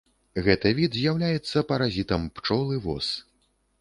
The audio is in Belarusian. Гэты від з'яўляецца паразітам пчол і вос.